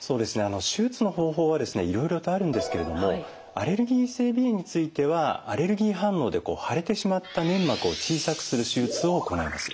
手術の方法はですねいろいろとあるんですけれどもアレルギー性鼻炎についてはアレルギー反応で腫れてしまった粘膜を小さくする手術を行います。